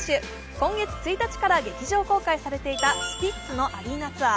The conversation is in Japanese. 今月１日から劇場公開されていたスピッツのアリーナツアー